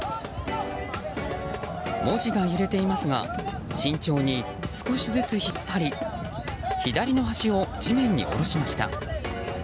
文字が揺れていますが慎重に少しずつ引っ張り左の端を地面に下ろしました。